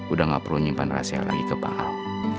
udah gak perlu nyimpan rahasia lagi ke pak al